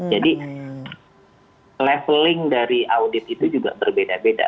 jadi leveling dari audit itu juga berbeda beda